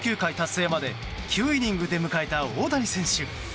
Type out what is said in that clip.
成まで９イニングで迎えた大谷選手。